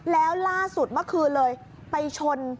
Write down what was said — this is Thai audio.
แล้วล่าสุดเมื่อคืนเลยไปชน